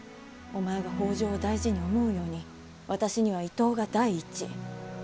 お前が北条を大事に思うように私には伊東が第一。